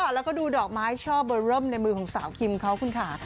แล้วก็ดูดอกไม้ช่อเบอร์เริ่มในมือของสาวคิมเขาคุณค่ะ